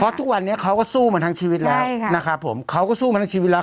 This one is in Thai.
ทุกวันนี้เขาก็สู้มาทั้งชีวิตแล้วนะครับผมเขาก็สู้มาทั้งชีวิตแล้ว